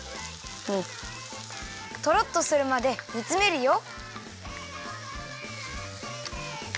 トロッとするまでにつめるよ。